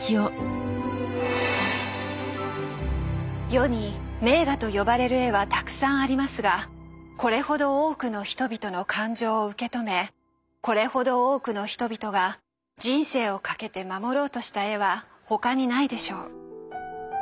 世に名画と呼ばれる絵はたくさんありますがこれほど多くの人々の感情を受け止めこれほど多くの人々が人生を懸けて守ろうとした絵は他にないでしょう。